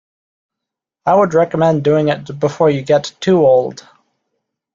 I would recommend doing it before you get too old.